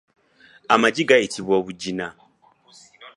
Amagi gayitibwa obugina.